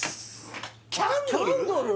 キャンドル？